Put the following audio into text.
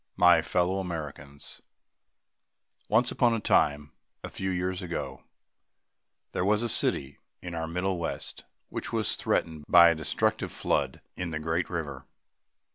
My Fellow Americans: Once upon a time, a few years ago, there was a city in our Middle West which was threatened by a destructive flood in the great river.